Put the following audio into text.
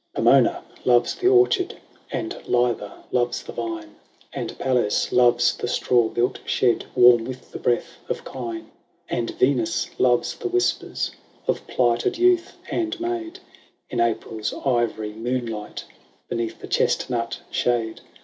XVIII. " Pomona loves the orchard ; And Liber loves the vine ; And Pales loves the straw built shed Warm with the breath of kine ; And Venus loves the whispers Of plighted youth and maid, In April's ivory moonlight Beneath the chestnut shade.